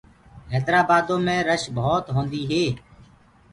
هيدرآ بآدو مي رش ڀوت هوندي هي۔